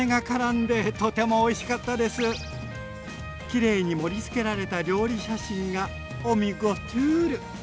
きれいに盛りつけられた料理写真がおみゴトゥール！